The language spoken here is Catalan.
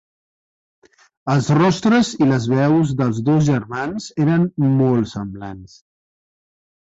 Els rostres i les veus dels dos germans eren molt semblants.